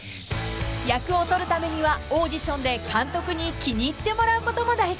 ［役を取るためにはオーディションで監督に気に入ってもらうことも大事］